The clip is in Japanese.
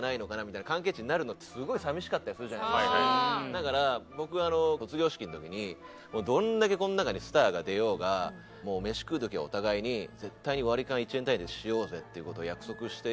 だから僕卒業式の時にどんだけこの中にスターが出ようが飯食う時はお互いに絶対に割り勘１円単位でしようぜっていう事を約束していて。